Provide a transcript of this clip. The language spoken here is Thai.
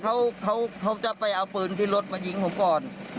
เขาเขาจะไปเอาปืนที่รถมายิงผมก่อน